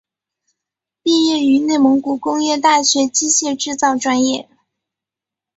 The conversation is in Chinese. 毕业于内蒙古工业大学机械制造专业。